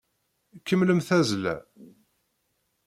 Kemmlem tazzla!